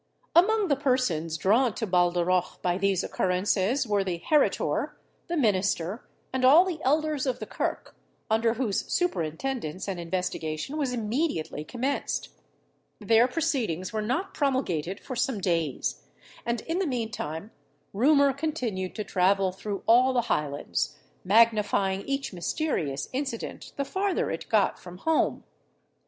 Among the persons drawn to Baldarroch by these occurrences were the heritor, the minister, and all the elders of the Kirk, under whose superintendence an investigation was immediately commenced. Their proceedings were not promulgated for some days; and, in the mean time, rumour continued to travel through all the Highlands, magnifying each mysterious incident the farther it got from home.